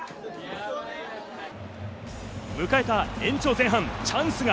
迎えた延長前半、チャンスが。